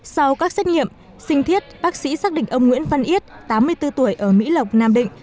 sau các xét nghiệm sinh thiết bác sĩ xác định ông nguyễn văn yết tám mươi bốn tuổi ở mỹ lộc nam định